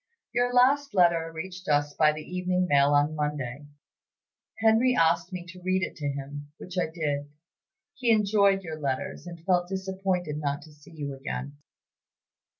"Your last letter reached us by the evening mail on Monday. Henry asked me to read it to him, which I did. He enjoyed your letters, and felt disappointed not to see you again.